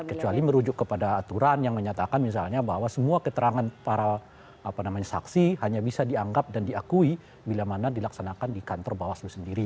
kecuali merujuk kepada aturan yang menyatakan misalnya bahwa semua keterangan para saksi hanya bisa dianggap dan diakui bila mana dilaksanakan di kantor bawaslu sendiri